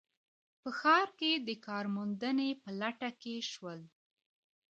په ښار کې د کار موندنې په لټه کې شول